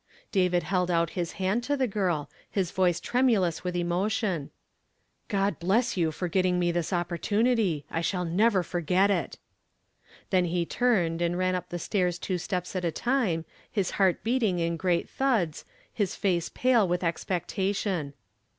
David held out his hand to the girl, his voice tremulous with emotion :" God bless you for getting me this opportunity ; I shall never forget it." Then he turned and ran up the stairs two steps at a time, his heart beating in great thuds, his face pale with expectation.